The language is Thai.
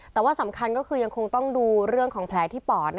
แต่ว่าสำคัญก็คือยังคงต้องดูเรื่องของแผลที่ปอด